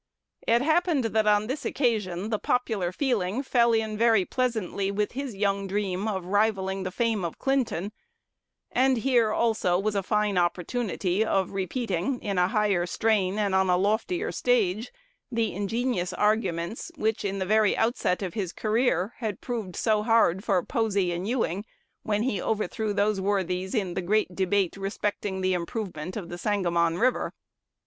It happened that on this occasion the popular feeling fell in very pleasantly with his young dream of rivalling the fame of Clinton; and here, also, was a fine opportunity of repeating, in a higher strain and on a loftier stage, the ingenious arguments, which, in the very outset of his career, had proved so hard for "Posey and Ewing," when he overthrew those worthies in the great debate respecting the improvement of the Sangamon River.